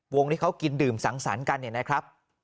วงที่เขากินดื่มสังสรรค์กัน